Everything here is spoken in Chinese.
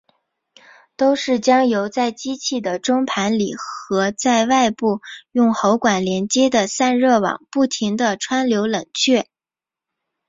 都是将油在机器的中盘里和在外部用喉管连接的散热网不停地穿流冷却。